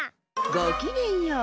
ごきげんよう。